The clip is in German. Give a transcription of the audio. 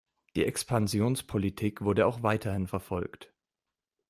Die Expansionspolitik wurde auch weiterhin verfolgt.